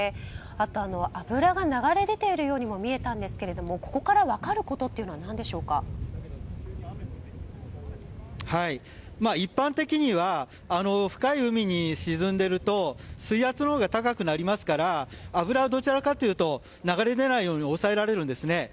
あとは油が流れ出ているようにも見えたんですがここから分かることは一般的には深い海に沈んでいると水圧のほうが高くなりますから油はどちらかというと流れ出ないように抑えられるんですね。